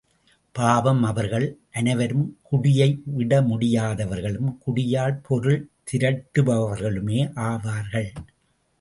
பாவம், அவர்கள் அனைவரும் குடியை விடமுடியாதவர்களும், குடியால் பொருள் திரட்டுபவர்களுமே ஆவார்கள்.